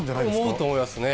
思うと思いますね。